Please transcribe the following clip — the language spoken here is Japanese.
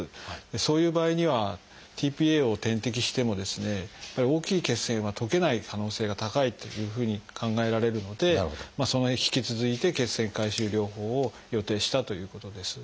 そういう場合にはｔ−ＰＡを点滴してもですね大きい血栓は溶けない可能性が高いというふうに考えられるのでそのうえ引き続いて血栓回収療法を予定したということです。